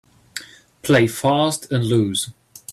Play fast and loose